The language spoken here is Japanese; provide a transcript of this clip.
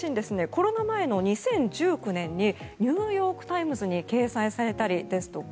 コロナ前の２０１９年にニューヨーク・タイムズに掲載されたりですとか